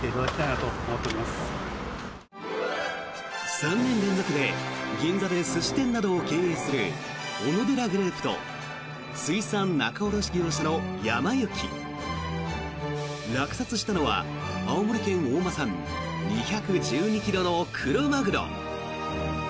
３年連続で銀座で寿司店などを経営するＯＮＯＤＥＲＡＧＲＯＵＰと水産仲卸業者のやま幸落札したのは青森県大間産２１２ｋｇのクロマグロ。